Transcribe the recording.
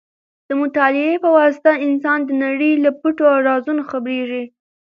د مطالعې په واسطه انسان د نړۍ له پټو رازونو خبرېږي.